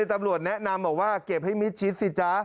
ตำรวจแนะนำบอกว่าเก็บให้มิดชิดสิจ๊ะ